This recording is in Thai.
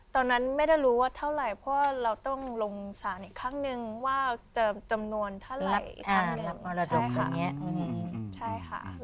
ตอนนั้นไม่ได้รู้ว่าเท่าไหร่เพราะเราต้องลงสารอีกครั้งนึงว่าเจอจำนวนเท่าไหร่